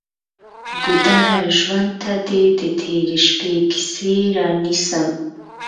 ګودره! ژوند ته دې د تیرې شپې کیسې رانیسم